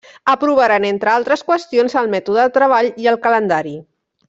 Aprovaren entre altres qüestions el mètode de treball i el calendari.